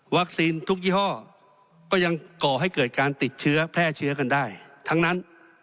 ทุกยี่ห้อก็ยังก่อให้เกิดการติดเชื้อแพร่เชื้อกันได้ทั้งนั้น